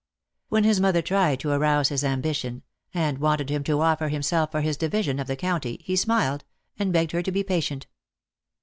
When his mother tried to arouse his ambi tion, and wanted him to offer himself for his division of the county, he smiled, and begged her to be patient.